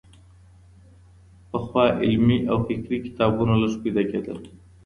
پخوا علمي او فکري کتابونه لږ پيدا کېدل.